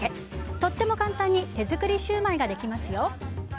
とっても簡単に手作りシューマイができますよ。